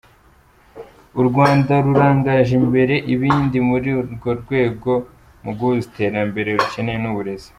U Rwanda rurangaje imbere ibindi muri urwo rwego mu guhuza iterambere rukeneye n’uburezi.